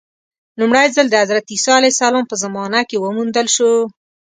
لومړی ځل د حضرت عیسی علیه السلام په زمانه کې وموندل شو.